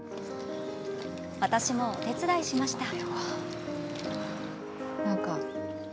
私もお手伝いしました。